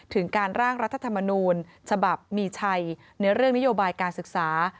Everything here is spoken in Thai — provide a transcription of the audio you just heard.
ถึงการร่างรัฐธรรมนูญฉบับมีชัยในเรื่องนโยบายการศึกษา